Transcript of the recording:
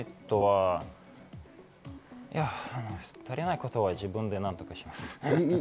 足りないことは自分で何とかします。